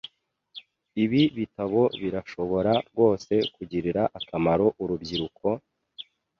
Ibi bitabo birashobora rwose kugirira akamaro urubyiruko?